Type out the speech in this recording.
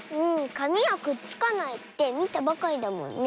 かみはくっつかないってみたばかりだもんね。